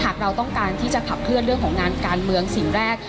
เราต้องการที่จะขับเคลื่อนเรื่องของงานการเมืองสิ่งแรก